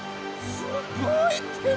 すごいな！